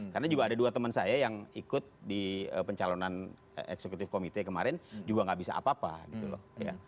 karena juga ada dua teman saya yang ikut di pencalonan eksekutif komite kemarin juga nggak bisa apa apa gitu loh